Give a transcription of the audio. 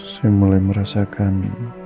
saya mulai merasakan